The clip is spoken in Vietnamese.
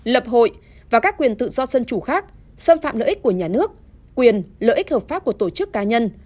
lập hội và các quyền tự do dân chủ khác xâm phạm lợi ích của nhà nước quyền lợi ích hợp pháp của tổ chức cá nhân